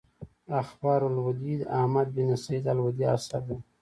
اخبار اللودي احمد بن سعيد الودي اثر دﺉ.